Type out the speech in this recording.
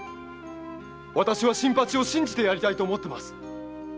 私は新八を信じてやりたいと思っています。